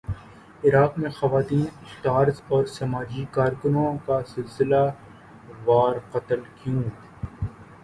عراق میں خواتین اسٹارز اور سماجی کارکنوں کا سلسلہ وار قتل کیوں